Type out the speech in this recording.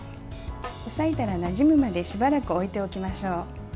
押さえたら、なじむまでしばらく置いておきましょう。